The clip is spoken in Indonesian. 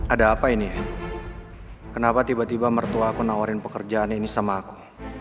ada apa ini kenapa tiba tiba mertua aku nawarin pekerjaan ini sama aku